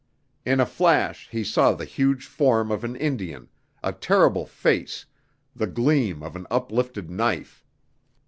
In a flash he saw the huge form of an Indian, a terrible face, the gleam of an uplifted knife.